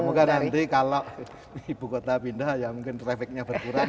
semoga nanti kalau ibu kota pindah ya mungkin trafficnya berkurang